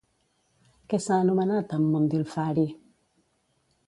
Què s'ha anomenat amb "Mundilfari"?